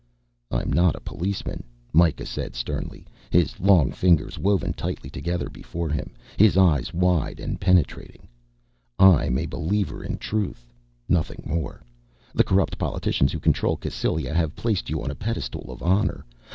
"I'm not a policeman," Mikah said sternly, his long fingers woven tightly together before him, his eyes wide and penetrating. "I'm a believer in Truth nothing more. The corrupt politicians who control Cassylia have placed you on a pedestal of honor.